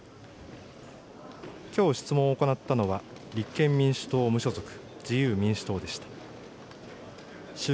きょう質問を行ったのは立憲民主党無所属、自由民主党でした。